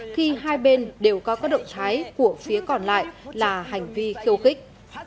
khi hai bên đều có các động thái của phía còn lại là hành vi khiêu khích